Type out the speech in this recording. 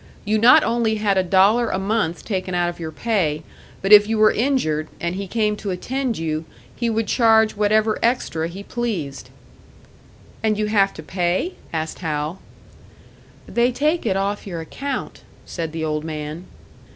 You not only had a dollar a month taken out of your pay, but if you were injured, and he came to attend you, he would charge whatever extra he pleased. "And you have to pay?" asked Hal. "They take it off your account," said the old man.